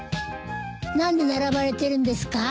何で並ばれてるんですか？